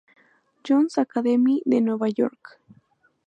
John's Academy de Nueva York.